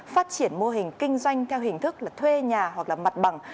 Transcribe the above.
phát triển mô hình kinh doanh theo hình thức là thuê nhà hoặc là mặt bằng